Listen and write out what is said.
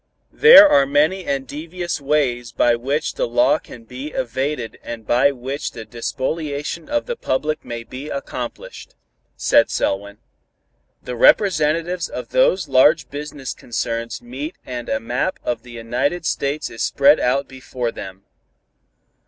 "There are many and devious ways by which the law can be evaded and by which the despoliation of the public may be accomplished," said Selwyn. "The representatives of those large business concerns meet and a map of the United States is spread out before them.